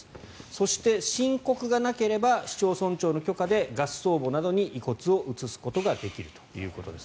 そして申告がなければ市町村長の許可で合葬墓などに遺骨を移すことができるということです。